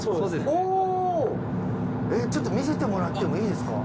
おっちょっと見せてもらってもいいですか？